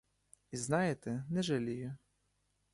І знаєте — не жалію.